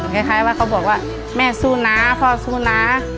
คล้ายว่าเขาบอกว่าแม่สู้นะพ่อสู้นะ